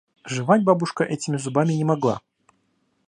Жевать бабушка этими зубами не могла.